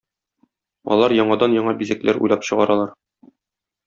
Алар яңадан-яңа бизәкләр уйлап чыгаралар.